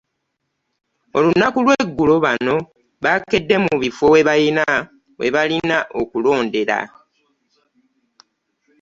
Olunaku lw'eggulo bano baakedde mu bifo we balina okulondera